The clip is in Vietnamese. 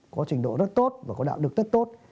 có trình độ rất tốt và có đạo đức rất tốt